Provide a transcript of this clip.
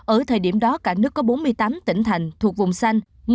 ở thời điểm đó cả nước có bốn mươi tám tỉnh thành thuộc vùng xanh